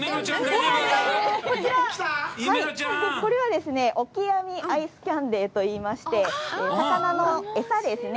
これはですね、オキアミアイスキャンデーといいまして、魚の餌ですね。